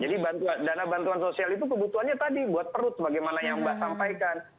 jadi dana bantuan sosial itu kebutuhannya tadi buat perut bagaimana yang mbak sampaikan